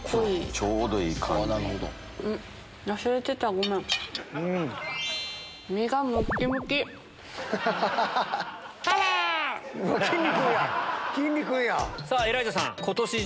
ちょうどいい感じ。